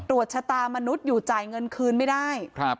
ชะตามนุษย์อยู่จ่ายเงินคืนไม่ได้